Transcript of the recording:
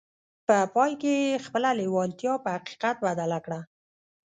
په پای کې يې خپله لېوالتیا په حقيقت بدله کړه.